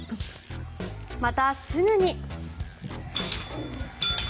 またすぐに。